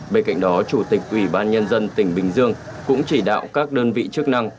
bên cạnh đó chủ tịch ủy ban nhân dân tỉnh bình dương cũng chỉ đạo các đơn vị chức năng